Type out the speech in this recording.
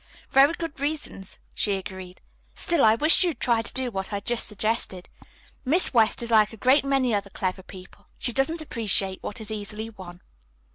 "Very good reasons," she agreed. "Still, I wish you would try to do what I just suggested. Miss West is like a great many other clever people, she doesn't appreciate what is easily won."